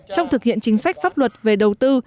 trong thực hiện chính sách pháp luật về đầu tư